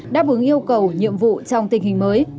đáp ứng yêu cầu nhiệm vụ trong tình hình mới